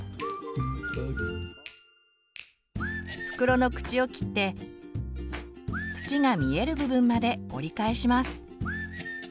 袋の口を切って土が見える部分まで折り返します。